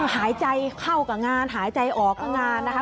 หายใจเข้ากับงานหายใจออกก็งานนะคะ